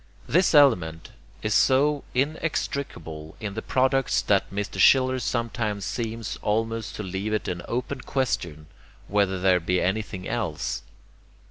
This element is so inextricable in the products that Mr. Schiller sometimes seems almost to leave it an open question whether there be anything else.